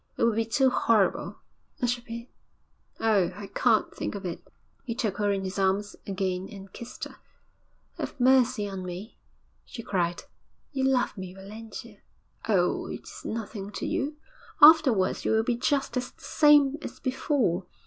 'It would be too horrible. I should be oh, I can't think of it!' He took her in his arms again and kissed her. 'Have mercy on me!' she cried. 'You love me, Valentia.' 'Oh, it is nothing to you. Afterwards you will be just the same as before.